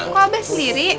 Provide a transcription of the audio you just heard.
kok abah sendiri